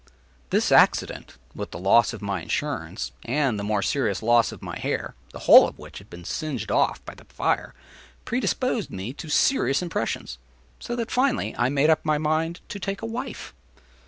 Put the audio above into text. This accident, with the loss of my insurance, and with the more serious loss of my hair, the whole of which had been singed off by the fire, predisposed me to serious impressions, so that, finally, I made up my mind to take a wife.